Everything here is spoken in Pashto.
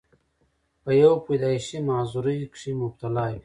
پۀ يو پېدائشي معذورۍ کښې مبتلا وي،